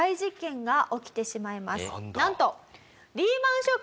なんと。